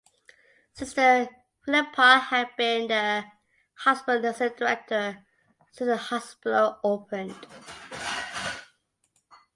Sister Philippa had been the hospital’s nursing director since the hospital opened.